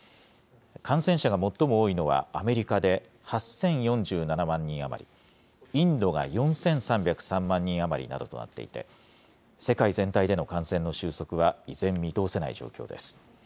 感染者が最も多いのはアメリカで８０４７万人余り、インドが４３０３万人余りなどとなっていて、世界全体での感染の収束は依然見通せない状況です。